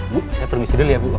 bu saya permisi dulu ya bu